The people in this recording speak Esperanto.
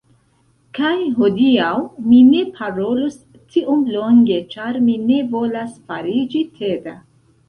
Kaj hodiaŭ mi ne parolos tiom longe ĉar mi ne volas fariĝi teda